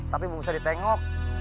tapi bukannya ditengok